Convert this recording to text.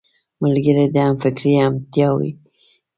ملګری د همفکرۍ همتيا دی